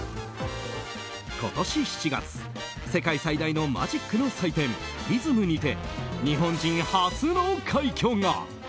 今年７月、世界最大のマジックの祭典、ＦＩＳＭにて日本人初の快挙が。